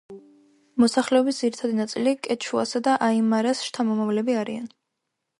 მოსახლეობის ძირითადი ნაწილი კეჩუასა და აიმარას შთამომავლები არიან.